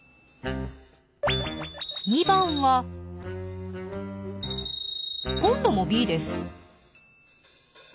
２番は今度もＢです。